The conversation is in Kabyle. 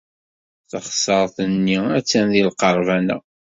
Taɣsert-nni attan deg lqerban-a.